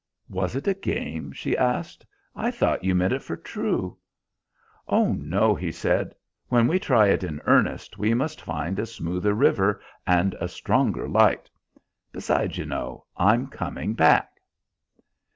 "Was it a game?" she asked. "I thought you meant it for true." "Oh no," he said; "when we try it in earnest we must find a smoother river and a stronger light. Besides, you know, I'm coming back."